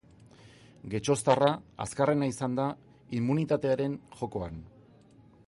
Getxoztarra azkarrena izan da immunitatearen jokoan.